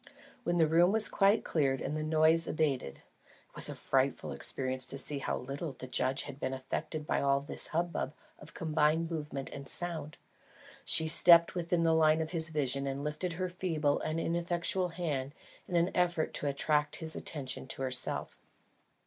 When the room was quite cleared and the noise abated (it was a frightful experience to see how little the judge had been affected by all this hubbub of combined movement and sound), she stepped within the line of his vision and lifted her feeble and ineffectual hand in an effort to attract his attention to herself.